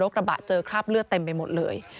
กระบะเจอคราบเลือดเต็มไปหมดเลย